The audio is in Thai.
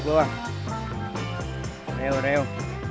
กลัวเร็วเร็ว